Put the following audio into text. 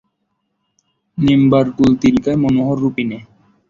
নিম্বার্ককুলতিলকায় মনোহররূপিণে।